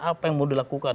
apa yang mau dilakukan